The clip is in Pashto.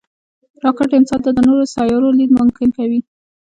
راکټ انسان ته د نورو سیارو لید ممکن کوي